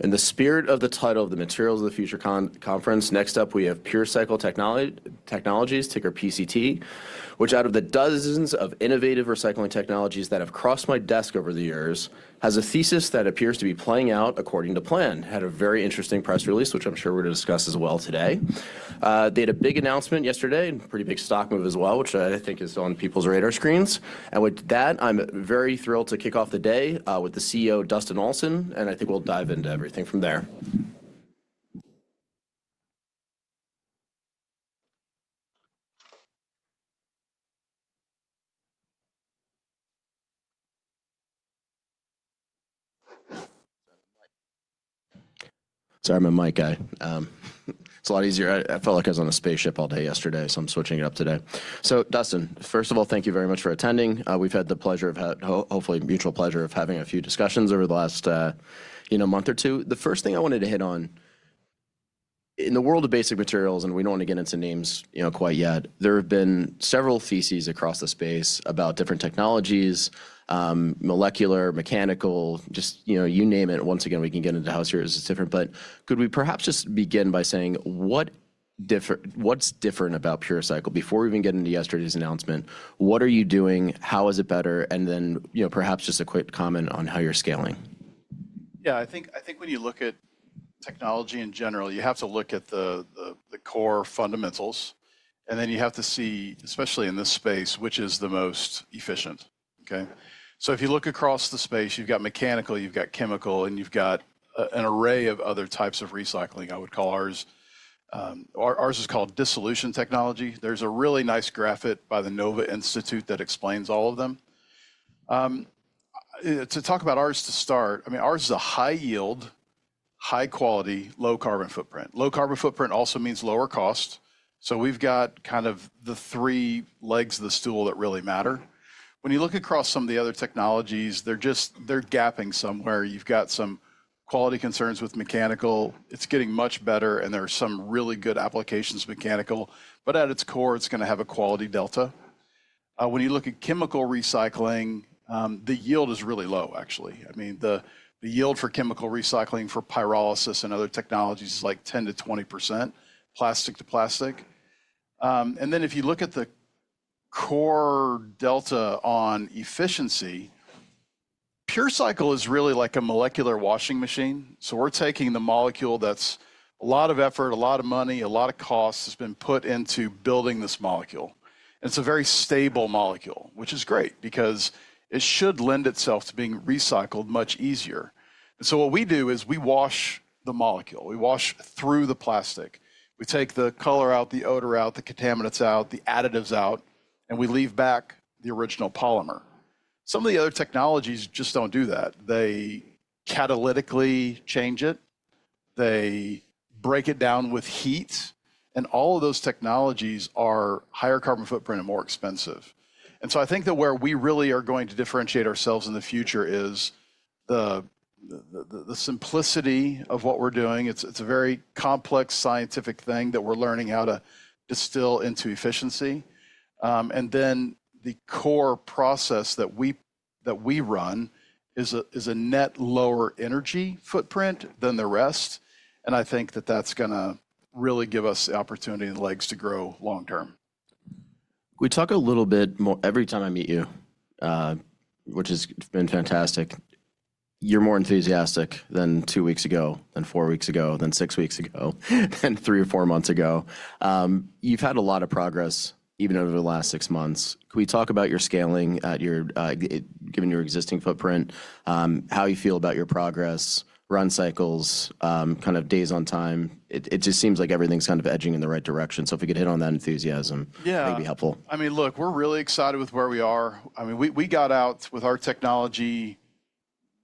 In the spirit of the title of the Materials of the Future Conference, next up we have PureCycle Technologies, ticker PCT, which, out of the dozens of innovative recycling technologies that have crossed my desk over the years, has a thesis that appears to be playing out according to plan. Had a very interesting press release, which I'm sure we're going to discuss as well today. They had a big announcement yesterday and a pretty big stock move as well, which I think is on people's radar screens. With that, I'm very thrilled to kick off the day with the CEO, Dustin Olson, and I think we'll dive into everything from there. Sorry, I'm mic guy. It's a lot easier. I felt like I was on a spaceship all day yesterday, so I'm switching it up today. Dustin, first of all, thank you very much for attending. We've had the pleasure of, hopefully mutual pleasure, of having a few discussions over the last month or two. The first thing I wanted to hit on, in the world of basic materials, and we don't want to get into names quite yet, there have been several theses across the space about different technologies: molecular, mechanical, just you name it. Once again, we can get into how it's different. Could we perhaps just begin by saying what's different about PureCycle? Before we even get into yesterday's announcement, what are you doing? How is it better? Perhaps just a quick comment on how you're scaling. Yeah, I think when you look at technology in general, you have to look at the core fundamentals, and then you have to see, especially in this space, which is the most efficient. If you look across the space, you've got mechanical, you've got chemical, and you've got an array of other types of recycling. I would call ours is called dissolution technology. There's a really nice graphic by the Nova Institute that explains all of them. To talk about ours to start, I mean, ours is a high yield, high quality, low carbon footprint. Low carbon footprint also means lower cost. We've got kind of the three legs of the stool that really matter. When you look across some of the other technologies, they're gapping somewhere. You've got some quality concerns with mechanical. It's getting much better, and there are some really good applications of mechanical, but at its core, it's going to have a quality delta. When you look at chemical recycling, the yield is really low, actually. I mean, the yield for chemical recycling for pyrolysis and other technologies is like 10-20%, plastic to plastic. Then if you look at the core delta on efficiency, PureCycle is really like a molecular washing machine. We're taking the molecule that's a lot of effort, a lot of money, a lot of costs has been put into building this molecule. It's a very stable molecule, which is great because it should lend itself to being recycled much easier. What we do is we wash the molecule. We wash through the plastic. We take the color out, the odor out, the contaminants out, the additives out, and we leave back the original polymer. Some of the other technologies just do not do that. They catalytically change it. They break it down with heat. All of those technologies are higher carbon footprint and more expensive. I think that where we really are going to differentiate ourselves in the future is the simplicity of what we are doing. It is a very complex scientific thing that we are learning how to distill into efficiency. The core process that we run is a net lower energy footprint than the rest. I think that is going to really give us the opportunity and legs to grow long term. We talk a little bit more every time I meet you, which has been fantastic. You're more enthusiastic than two weeks ago, than four weeks ago, than six weeks ago, than three or four months ago. You've had a lot of progress even over the last six months. Can we talk about your scaling, given your existing footprint, how you feel about your progress, run cycles, kind of days on time? It just seems like everything's kind of edging in the right direction. If we could hit on that enthusiasm, that'd be helpful. Yeah. I mean, look, we're really excited with where we are. I mean, we got out with our technology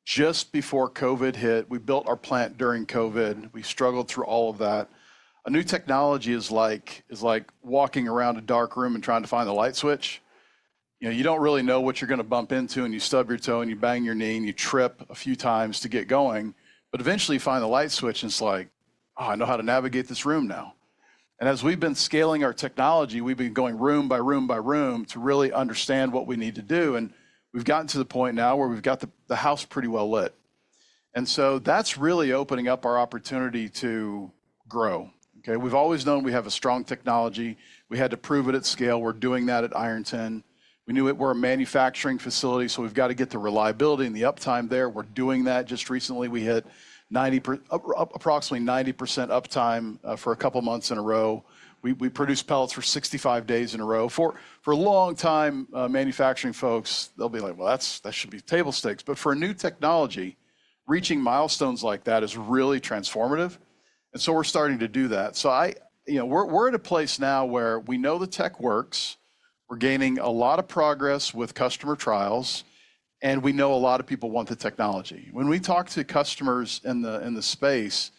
just before COVID hit. We built our plant during COVID. We struggled through all of that. A new technology is like walking around a dark room and trying to find the light switch. You don't really know what you're going to bump into, and you stub your toe and you bang your knee and you trip a few times to get going. Eventually, you find the light switch and it's like, oh, I know how to navigate this room now. As we've been scaling our technology, we've been going room by room by room to really understand what we need to do. We've gotten to the point now where we've got the house pretty well lit. That's really opening up our opportunity to grow. We've always known we have a strong technology. We had to prove it at scale. We're doing that at Ironton. We knew it were a manufacturing facility, so we've got to get the reliability and the uptime there. We're doing that. Just recently, we hit approximately 90% uptime for a couple of months in a row. We produce pellets for 65 days in a row. For a long time, manufacturing folks, they'll be like, well, that should be table stakes. For a new technology, reaching milestones like that is really transformative. We're starting to do that. We're at a place now where we know the tech works. We're gaining a lot of progress with customer trials, and we know a lot of people want the technology. When we talk to customers in the space,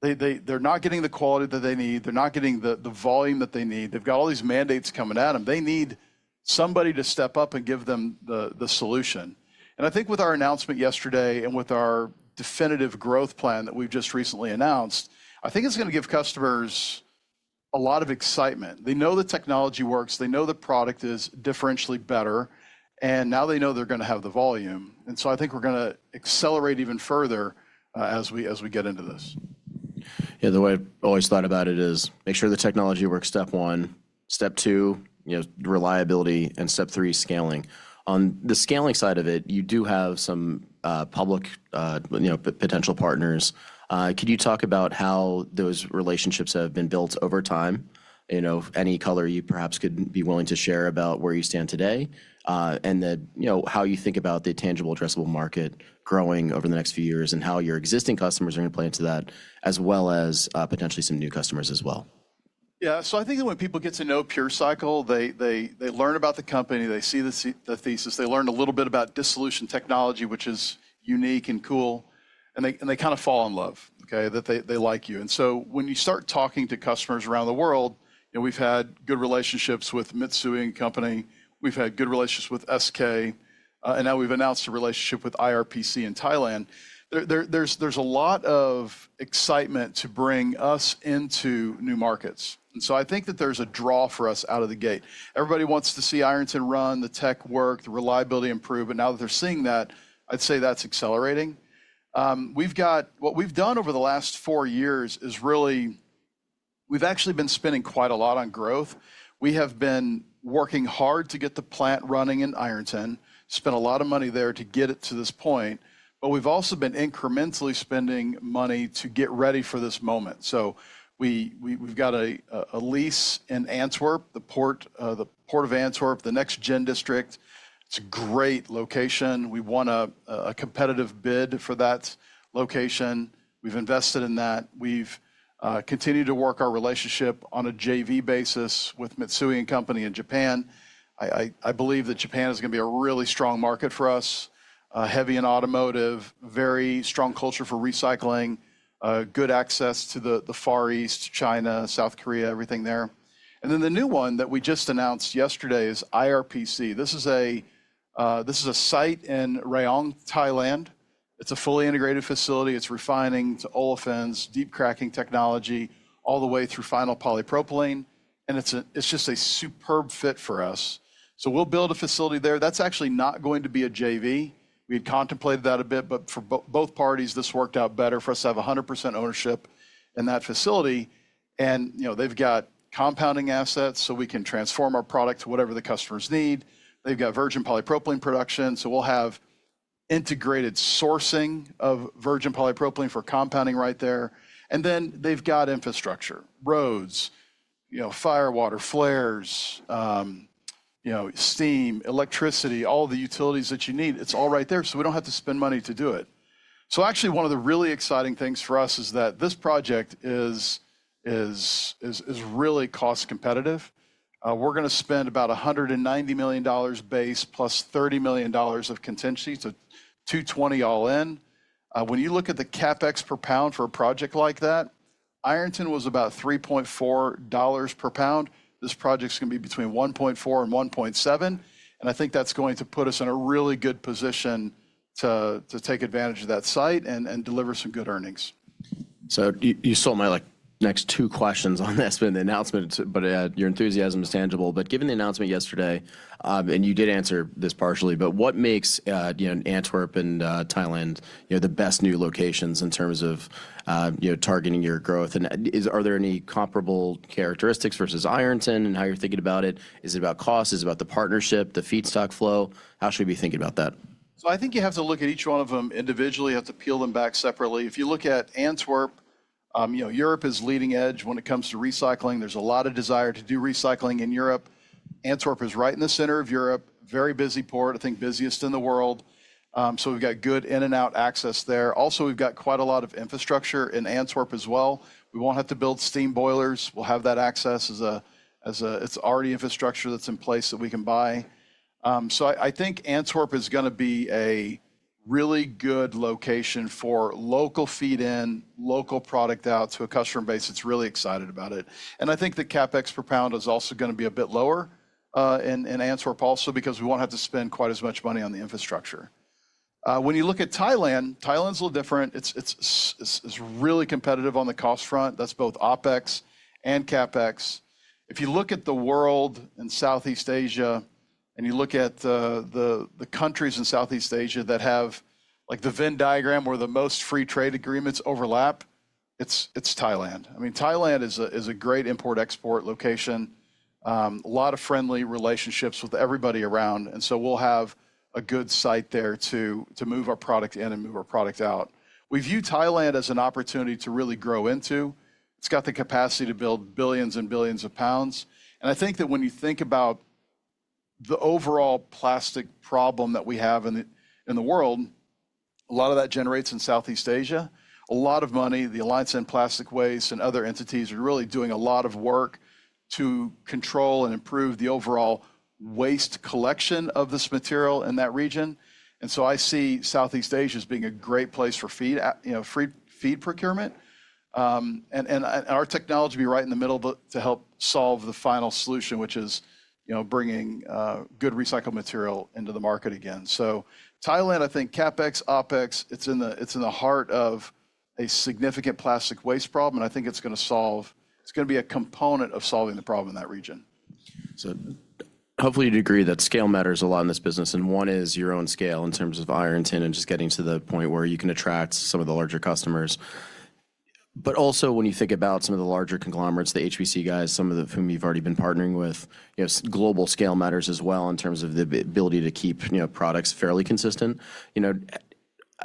they're not getting the quality that they need. They're not getting the volume that they need. They've got all these mandates coming at them. They need somebody to step up and give them the solution. I think with our announcement yesterday and with our definitive growth plan that we've just recently announced, I think it's going to give customers a lot of excitement. They know the technology works. They know the product is differentially better. Now they know they're going to have the volume. I think we're going to accelerate even further as we get into this. Yeah, the way I've always thought about it is make sure the technology works, step one. Step two, reliability. Step three, scaling. On the scaling side of it, you do have some public potential partners. Could you talk about how those relationships have been built over time? Any color you perhaps could be willing to share about where you stand today and how you think about the tangible, addressable market growing over the next few years and how your existing customers are going to play into that, as well as potentially some new customers as well? Yeah. I think that when people get to know PureCycle, they learn about the company. They see the thesis. They learn a little bit about dissolution technology, which is unique and cool. They kind of fall in love, that they like you. When you start talking to customers around the world, we've had good relationships with Mitsui & Co. We've had good relationships with SK. Now we've announced a relationship with IRPC in Thailand. There's a lot of excitement to bring us into new markets. I think that there's a draw for us out of the gate. Everybody wants to see Ironton run, the tech work, the reliability improve. Now that they're seeing that, I'd say that's accelerating. What we've done over the last four years is really we've actually been spending quite a lot on growth. We have been working hard to get the plant running in Ironton. Spent a lot of money there to get it to this point. But we've also been incrementally spending money to get ready for this moment. We've got a lease in Antwerp, the Port of Antwerp, the NextGen District. It's a great location. We won a competitive bid for that location. We've invested in that. We've continued to work our relationship on a JV basis with Mitsui & Co. in Japan. I believe that Japan is going to be a really strong market for us, heavy in automotive, very strong culture for recycling, good access to the Far East, China, South Korea, everything there. The new one that we just announced yesterday is IRPC. This is a site in Rayong, Thailand. It's a fully integrated facility. It's refining to olefins, deep cracking technology, all the way through final polypropylene. It's just a superb fit for us. We'll build a facility there. That's actually not going to be a JV. We had contemplated that a bit, but for both parties, this worked out better for us to have 100% ownership in that facility. They've got compounding assets so we can transform our product to whatever the customers need. They've got virgin polypropylene production. We'll have integrated sourcing of virgin polypropylene for compounding right there. They've got infrastructure: roads, fire, water, flares, steam, electricity, all the utilities that you need. It's all right there so we don't have to spend money to do it. One of the really exciting things for us is that this project is really cost competitive. We're going to spend about $190 million base plus $30 million of contingency, so $220 million all in. When you look at the Capex per pound for a project like that, Ironton was about $3.4 per pound. This project's going to be between $1.4 and $1.7. I think that's going to put us in a really good position to take advantage of that site and deliver some good earnings. You stole my next two questions on this with the announcement, but your enthusiasm is tangible. Given the announcement yesterday, and you did answer this partially, what makes Antwerp and Thailand the best new locations in terms of targeting your growth? Are there any comparable characteristics versus Ironton and how you're thinking about it? Is it about cost? Is it about the partnership, the feedstock flow? How should we be thinking about that? I think you have to look at each one of them individually. You have to peel them back separately. If you look at Antwerp, Europe is leading edge when it comes to recycling. There's a lot of desire to do recycling in Europe. Antwerp is right in the center of Europe, very busy port, I think busiest in the world. We've got good in and out access there. Also, we've got quite a lot of infrastructure in Antwerp as well. We will not have to build steam boilers. We will have that access. It's already infrastructure that's in place that we can buy. I think Antwerp is going to be a really good location for local feed-in, local product out to a customer base that's really excited about it. I think the CapEx per pound is also going to be a bit lower in Antwerp also because we won't have to spend quite as much money on the infrastructure. When you look at Thailand, Thailand's a little different. It's really competitive on the cost front. That's both OpEx and CapEx. If you look at the world in Southeast Asia and you look at the countries in Southeast Asia that have the Venn diagram where the most free trade agreements overlap, it's Thailand. I mean, Thailand is a great import-export location, a lot of friendly relationships with everybody around. We will have a good site there to move our product in and move our product out. We view Thailand as an opportunity to really grow into. It's got the capacity to build billions and billions of pounds. I think that when you think about the overall plastic problem that we have in the world, a lot of that generates in Southeast Asia. A lot of money, the Alliance to End Plastic Waste and other entities are really doing a lot of work to control and improve the overall waste collection of this material in that region. I see Southeast Asia as being a great place for feed procurement. Our technology will be right in the middle to help solve the final solution, which is bringing good recycled material into the market again. Thailand, I think CapEx, OpEx, it is in the heart of a significant plastic waste problem. I think it is going to solve, it is going to be a component of solving the problem in that region. Hopefully you'd agree that scale matters a lot in this business. One is your own scale in terms of Ironton and just getting to the point where you can attract some of the larger customers. Also, when you think about some of the larger conglomerates, the HPC guys, some of whom you've already been partnering with, global scale matters as well in terms of the ability to keep products fairly consistent.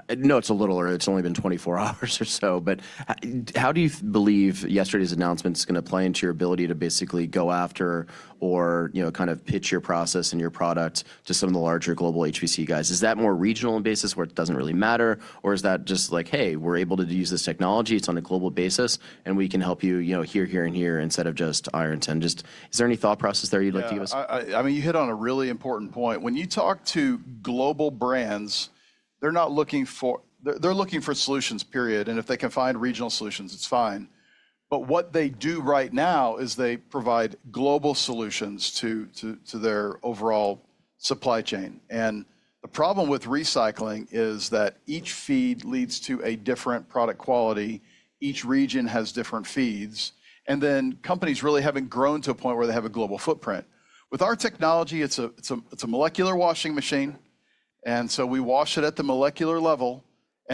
I know it's a little early. It's only been 24 hours or so. How do you believe yesterday's announcement is going to play into your ability to basically go after or kind of pitch your process and your product to some of the larger global HPC guys? Is that more regional in basis where it doesn't really matter? Is that just like, hey, we're able to use this technology, it's on a global basis? We can help you here, here, and here instead of just Ironton. Is there any thought process there you'd like to give us? I mean, you hit on a really important point. When you talk to global brands, they're not looking for they're looking for solutions, period. If they can find regional solutions, it's fine. What they do right now is they provide global solutions to their overall supply chain. The problem with recycling is that each feed leads to a different product quality. Each region has different feeds. And then, companies really haven't grown to a point where they have a global footprint. With our technology, it's a molecular washing machine. We wash it at the molecular level.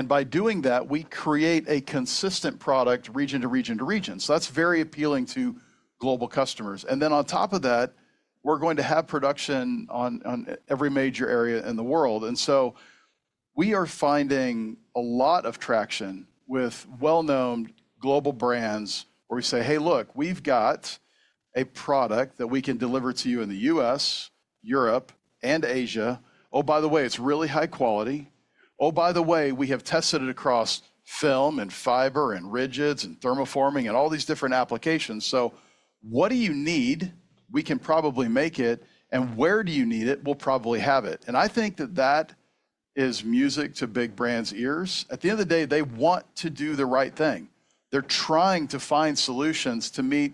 By doing that, we create a consistent product region to region to region. That is very appealing to global customers. And then, on top of that, we're going to have production on every major area in the world. We are finding a lot of traction with well-known global brands where we say, hey, look, we've got a product that we can deliver to you in the U.S., Europe, and Asia. Oh, by the way, it's really high quality. Oh, by the way, we have tested it across film and fiber and rigids and thermoforming and all these different applications. What do you need? We can probably make it. Where do you need it? We'll probably have it. I think that that is music to big brands' ears. At the end of the day, they want to do the right thing. They're trying to find solutions to meet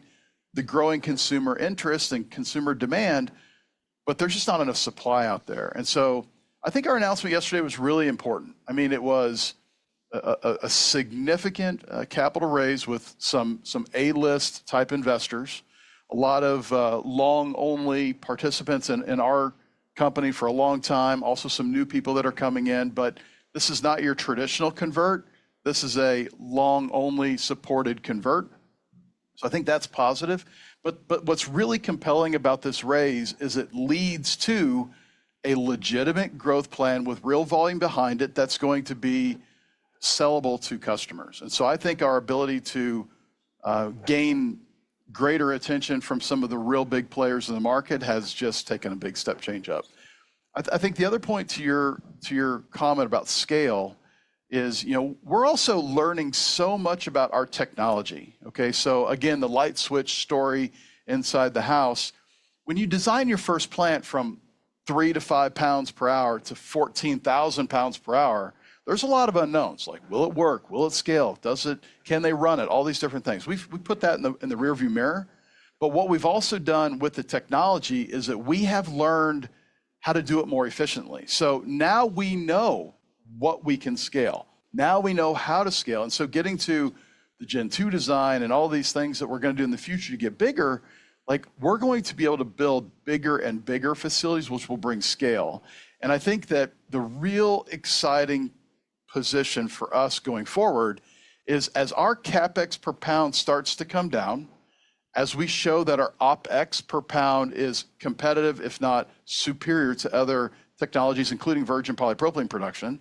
the growing consumer interest and consumer demand, but there's just not enough supply out there. I think our announcement yesterday was really important. I mean, it was a significant capital raise with some A-list type investors, a lot of long-only participants in our company for a long time, also some new people that are coming in. This is not your traditional convert. This is a long-only supported convert. I think that's positive. What's really compelling about this raise is it leads to a legitimate growth plan with real volume behind it that's going to be sellable to customers. I think our ability to gain greater attention from some of the real big players in the market has just taken a big step change up. I think the other point to your comment about scale is we're also learning so much about our technology. Again, the light switch story inside the house. When you design your first plant from 3-5 pounds per hour to 14,000 pounds per hour, there's a lot of unknowns. Like, will it work? Will it scale? Can they run it? All these different things. We put that in the rearview mirror. What we've also done with the technology is that we have learned how to do it more efficiently. Now we know what we can scale. Now we know how to scale. Getting to the Gen-2 design and all these things that we're going to do in the future to get bigger, we're going to be able to build bigger and bigger facilities, which will bring scale. I think that the real exciting position for us going forward is as our CapEx per pound starts to come down, as we show that our OpEx per pound is competitive, if not superior to other technologies, including virgin polypropylene production.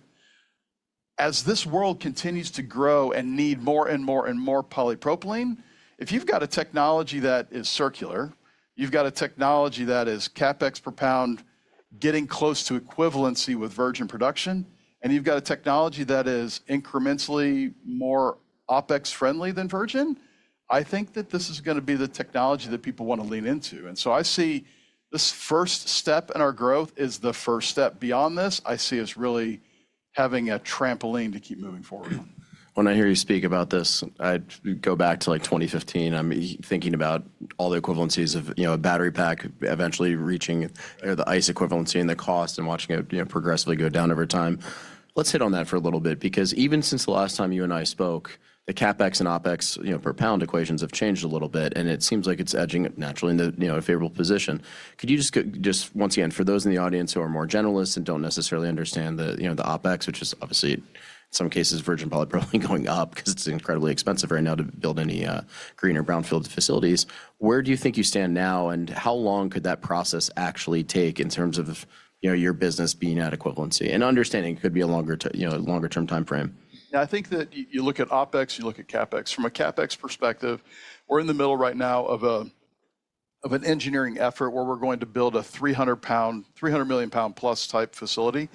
As this world continues to grow and need more and more and more polypropylene, if you've got a technology that is circular, you've got a technology that is CapEx per pound getting close to equivalency with virgin production, and you've got a technology that is incrementally more OpEx friendly than virgin, I think that this is going to be the technology that people want to lean into. I see this first step in our growth is the first step. Beyond this, I see us really having a trampoline to keep moving forward. When I hear you speak about this, I go back to 2015. I'm thinking about all the equivalencies of a battery pack eventually reaching the ICE equivalency and the cost and watching it progressively go down over time. Let's hit on that for a little bit because even since the last time you and I spoke, the CapEx and OpEx per pound equations have changed a little bit. It seems like it's edging naturally in a favorable position. Could you just once again, for those in the audience who are more generalists and do not necessarily understand the OpEx, which is obviously in some cases virgin polypropylene going up because it's incredibly expensive right now to build any green or brownfield facilities, where do you think you stand now? How long could that process actually take in terms of your business being at equivalency? Understanding it could be a longer-term time frame. Yeah, I think that you look at OpEx, you look at capex. From a CapEx perspective, we're in the middle right now of an engineering effort where we're going to build a 300 million pound+ type facility.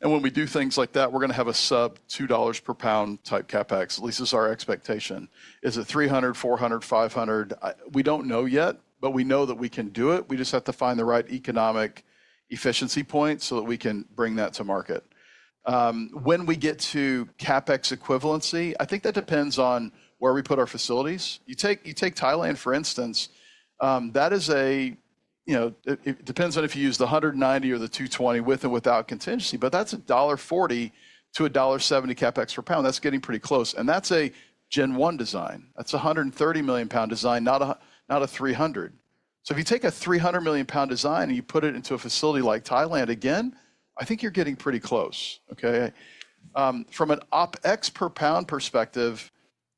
And when we do things like that, we're going to have a sub $2 per pound type CapEx. At least that's our expectation. Is it 300, 400, 500? We don't know yet, but we know that we can do it. We just have to find the right economic efficiency point so that we can bring that to market. When we get to CapEx equivalency, I think that depends on where we put our facilities. You take Thailand, for instance. That is a it depends on if you use the $190 or the $220 with and without contingency, but that's $1.40-$1.70 CapEx per pound. That's getting pretty close. That's a Gen-1 design. That's a 130 million pound design, not a 300. If you take a 300 million pound design and you put it into a facility like Thailand, again, I think you're getting pretty close. From an OpEx per pound perspective,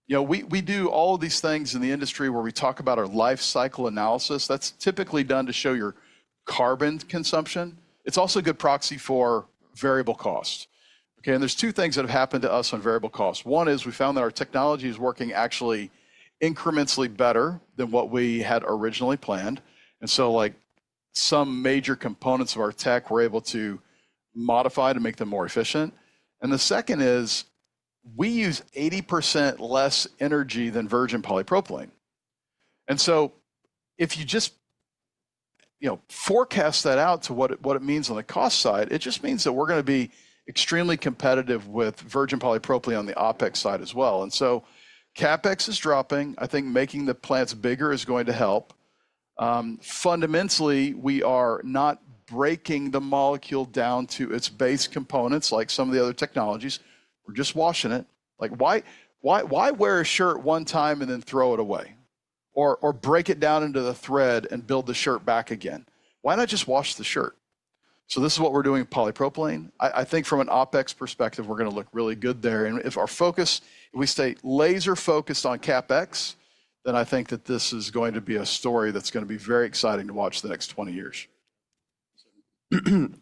we do all of these things in the industry where we talk about our life cycle analysis. That's typically done to show your carbon consumption. It's also a good proxy for variable cost. There are two things that have happened to us on variable cost. One is we found that our technology is working actually incrementally better than what we had originally planned. Some major components of our tech we're able to modify to make them more efficient. The second is we use 80% less energy than virgin polypropylene. If you just forecast that out to what it means on the cost side, it just means that we're going to be extremely competitive with virgin polypropylene on the OpEx side as well. CapEx is dropping. I think making the plants bigger is going to help. Fundamentally, we are not breaking the molecule down to its base components like some of the other technologies. We're just washing it. Why wear a shirt one time and then throw it away? Or break it down into the thread and build the shirt back again? Why not just wash the shirt? This is what we're doing with polypropylene. I think from an OpEx perspective, we're going to look really good there. If our focus, if we stay laser-focused on CapEx, then I think that this is going to be a story that's going to be very exciting to watch the next 20 years.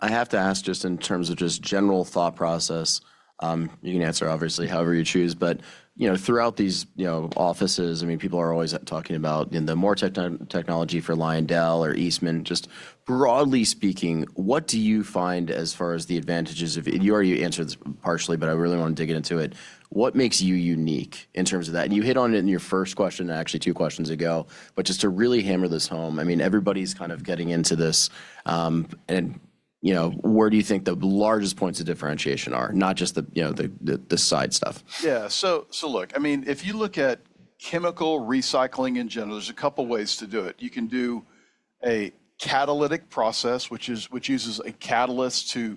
I have to ask just in terms of just general thought process. You can answer, obviously, however you choose. Throughout these offices, I mean, people are always talking about the more technology for Lyondell or Eastman. Just broadly speaking, what do you find as far as the advantages of—you already answered this partially, but I really want to dig into it. What makes you unique in terms of that? You hit on it in your first question and actually two questions ago. Just to really hammer this home, I mean, everybody's kind of getting into this. Where do you think the largest points of differentiation are, not just the side stuff? Yeah. So look, I mean, if you look at chemical recycling in general, there's a couple of ways to do it. You can do a catalytic process, which uses a catalyst to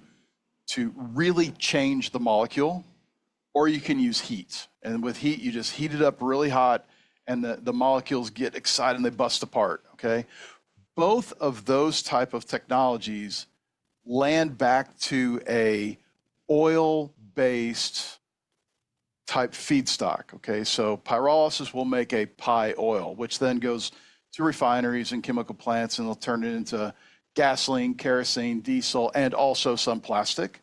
really change the molecule. Or you can use heat. With heat, you just heat it up really hot, and the molecules get excited and they bust apart. Both of those types of technologies land back to an oil-based type feedstock. Pyrolysis will make a pie oil, which then goes to refineries and chemical plants, and they'll turn it into gasoline, kerosene, diesel, and also some plastic.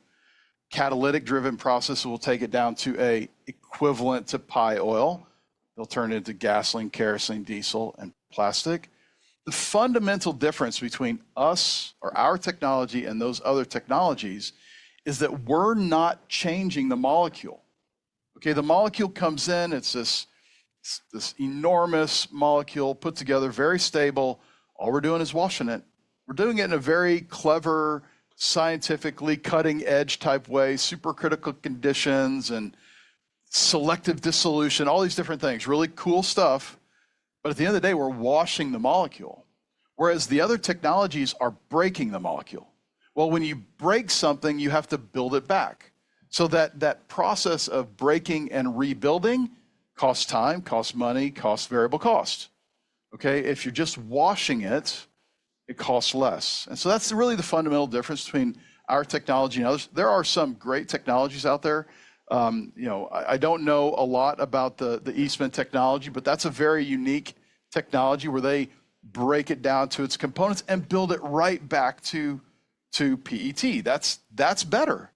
Catalytic-driven process will take it down to an equivalent to pie oil. They'll turn it into gasoline, kerosene, diesel, and plastic. The fundamental difference between us or our technology and those other technologies is that we're not changing the molecule. The molecule comes in. It's this enormous molecule put together, very stable. All we're doing is washing it. We're doing it in a very clever, scientifically cutting-edge type way, super critical conditions and selective dissolution, all these different things. Really cool stuff. At the end of the day, we're washing the molecule, whereas the other technologies are breaking the molecule. When you break something, you have to build it back. That process of breaking and rebuilding costs time, costs money, costs variable cost. If you're just washing it, it costs less. That's really the fundamental difference between our technology and others. There are some great technologies out there. I don't know a lot about the Eastman technology, but that's a very unique technology where they break it down to its components and build it right back to PET. That's better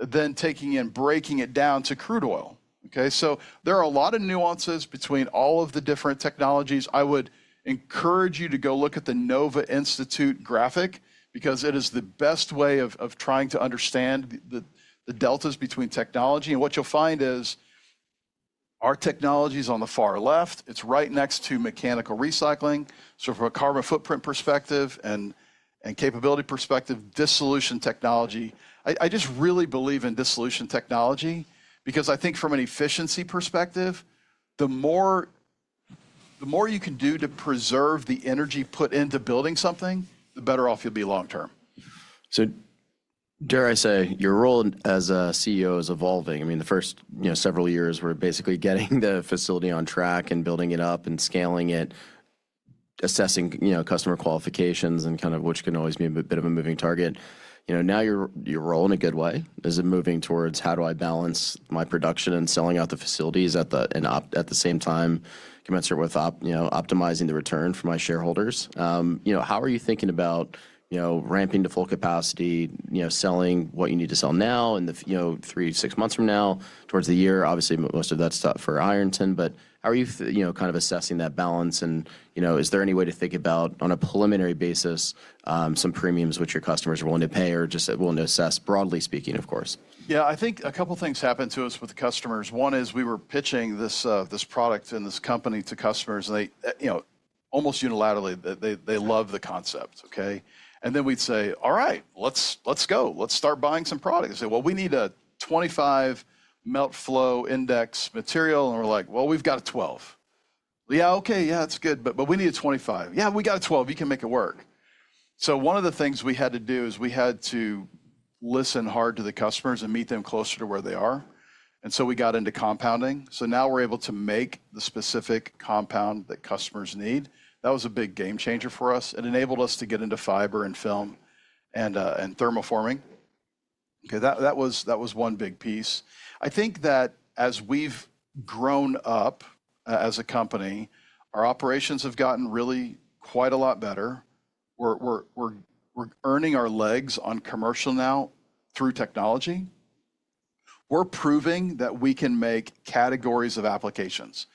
than taking and breaking it down to crude oil. There are a lot of nuances between all of the different technologies. I would encourage you to go look at the Nova Institute graphic because it is the best way of trying to understand the deltas between technology. What you'll find is our technology is on the far left. It is right next to mechanical recycling. From a carbon footprint perspective and capability perspective, dissolution technology, I just really believe in dissolution technology because I think from an efficiency perspective, the more you can do to preserve the energy put into building something, the better off you'll be long term. Dare I say, your role as CEO is evolving. I mean, the first several years were basically getting the facility on track and building it up and scaling it, assessing customer qualifications and kind of which can always be a bit of a moving target. Now you're rolling a good way. Is it moving towards how do I balance my production and selling out the facilities at the same time commensurate with optimizing the return for my shareholders? How are you thinking about ramping to full capacity, selling what you need to sell now and three to six months from now towards the year? Obviously, most of that's for Ironton. How are you kind of assessing that balance? Is there any way to think about, on a preliminary basis, some premiums which your customers are willing to pay or just willing to assess, broadly speaking, of course? Yeah, I think a couple of things happened to us with customers. One is we were pitching this product and this company to customers. Almost unilaterally, they love the concept. Then we would say, "All right, let's go. Let's start buying some products." They say, "We need a 25 melt flow index material." We are like, "We have a 12." Yeah, okay, yeah, that is good. But we need a 25. Yeah, we have a 12. You can make it work. One of the things we had to do is we had to listen hard to the customers and meet them closer to where they are. We got into compounding. Now we are able to make the specific compound that customers need. That was a big game changer for us. It enabled us to get into fiber and film and thermoforming. That was one big piece. I think that as we've grown up as a company, our operations have gotten really quite a lot better. We're earning our legs on commercial now through technology. We're proving that we can make categories of applications.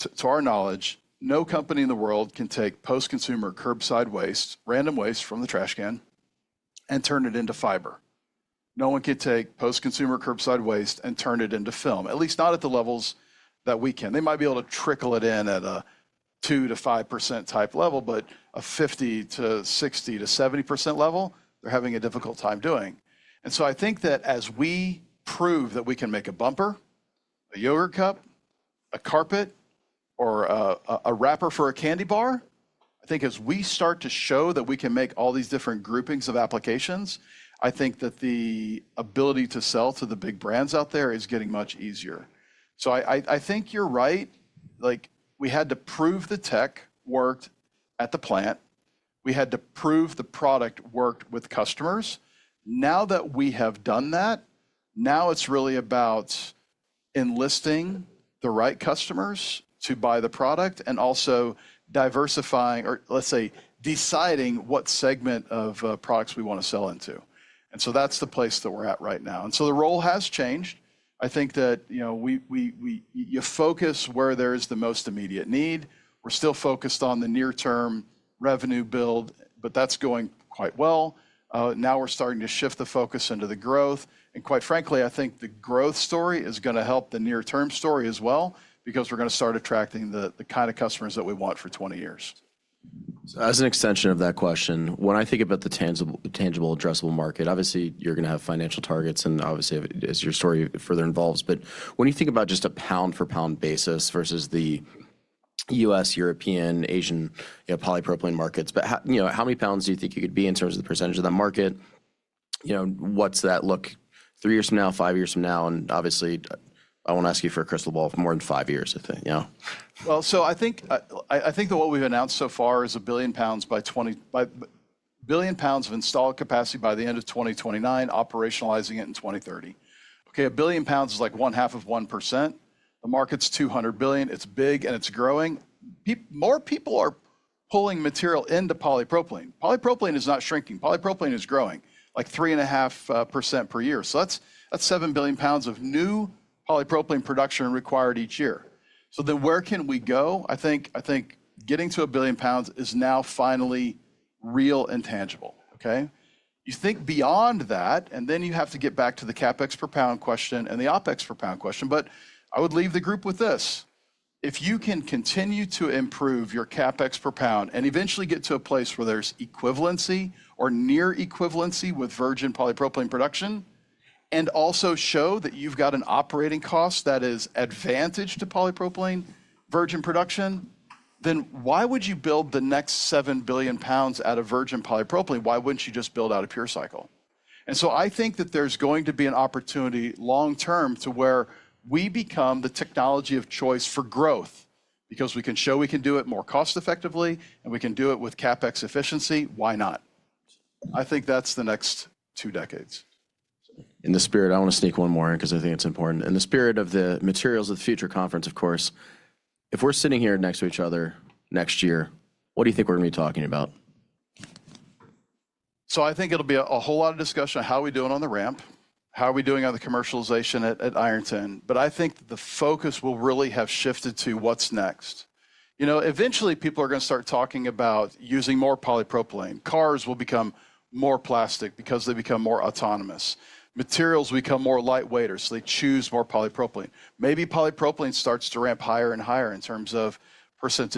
To our knowledge, no company in the world can take post-consumer curbside waste, random waste from the trash can, and turn it into fiber. No one can take post-consumer curbside waste and turn it into film, at least not at the levels that we can. They might be able to trickle it in at a 2-5% type level, but a 50-60-70% level, they're having a difficult time doing. I think that as we prove that we can make a bumper, a yogurt cup, a carpet, or a wrapper for a candy bar, I think as we start to show that we can make all these different groupings of applications, the ability to sell to the big brands out there is getting much easier. I think you're right. We had to prove the tech worked at the plant. We had to prove the product worked with customers. Now that we have done that, now it's really about enlisting the right customers to buy the product and also diversifying or, let's say, deciding what segment of products we want to sell into. That's the place that we're at right now. The role has changed. I think that you focus where there is the most immediate need. We're still focused on the near-term revenue build, but that's going quite well. Now we're starting to shift the focus into the growth. Quite frankly, I think the growth story is going to help the near-term story as well because we're going to start attracting the kind of customers that we want for 20 years. As an extension of that question, when I think about the tangible, addressable market, obviously, you're going to have financial targets and obviously, as your story further evolves. When you think about just a pound-for-pound basis versus the U.S., European, Asian polypropylene markets, how many pounds do you think you could be in terms of the percentage of that market? What does that look like three years from now, five years from now? Obviously, I won't ask you for a crystal ball for more than five years. I think that what we've announced so far is 1 billion pounds by 20 billion pounds of installed capacity by the end of 2029, operationalizing it in 2030. 1 billion pounds is like one half of 1%. The market's 200 billion. It's big and it's growing. More people are pulling material into polypropylene. Polypropylene is not shrinking. Polypropylene is growing like 3.5% per year. That is 7 billion pounds of new polypropylene production required each year. Where can we go? I think getting to 1 billion pounds is now finally real and tangible. You think beyond that, and then you have to get back to the CapEx per pound question and the OpEx per pound question. I would leave the group with this. If you can continue to improve your CapEx per pound and eventually get to a place where there's equivalency or near equivalency with virgin polypropylene production and also show that you've got an operating cost that is advantage to polypropylene virgin production, then why would you build the next 7 billion pounds out of virgin polypropylene? Why wouldn't you just build out a PureCycle? I think that there's going to be an opportunity long term to where we become the technology of choice for growth because we can show we can do it more cost-effectively and we can do it with CapEx efficiency. Why not? I think that's the next two decades. In the spirit, I want to sneak one more in because I think it's important. In the spirit of the Materials of the Future Conference, of course, if we're sitting here next to each other next year, what do you think we're going to be talking about? I think it'll be a whole lot of discussion on how are we doing on the ramp, how are we doing on the commercialization at Ironton. I think the focus will really have shifted to what's next. Eventually, people are going to start talking about using more polypropylene. Cars will become more plastic because they become more autonomous. Materials will become more lightweight, so they choose more polypropylene. Maybe polypropylene starts to ramp higher and higher in terms of %.